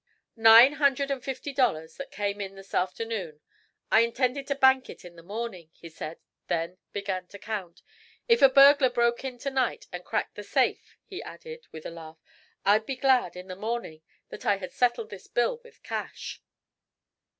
"Nine hundred and fifty dollars that came in this afternoon. I intended to bank it in the morning," he said, then began to count "If a burglar broke in to night and cracked the safe," he added, with a laugh, "I'd be glad, in the morning, that I had settled this bill with cash."